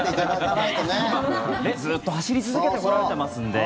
ずっと走り続けてこられてますんで。